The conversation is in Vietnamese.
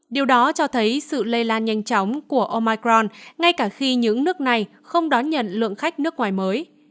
điều đó cho thấy sự lây lan nhanh chóng của omaicron ngay cả khi những nước này không đón nhận lượng khách nước ngoài mới